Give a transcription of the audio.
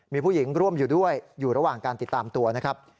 มีผู้หญิงร่วมอยู่ด้วยอยู่ระหว่างการติดตามตัวนะครับ